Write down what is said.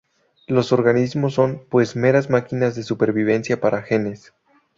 Los organismos son, pues, meras "máquinas de supervivencia para genes.